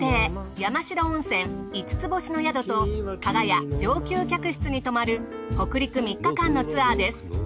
山代温泉「５つ星の宿」と加賀屋上級客室に泊まる北陸３日間のツアーです。